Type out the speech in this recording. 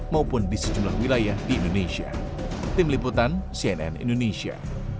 maupun di sejumlah wilayah di indonesia